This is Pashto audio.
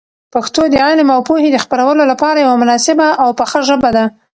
پښتو د علم او پوهي د خپرولو لپاره یوه مناسبه او پخه ژبه ده.